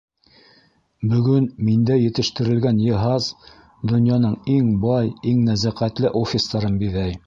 Бөгөн миндә етештерелгән йыһаз донъяның иң бай, иң нәзәкәтле офистарын биҙәй!